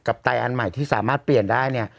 ไตอันใหม่ที่สามารถเปลี่ยนได้เนี่ย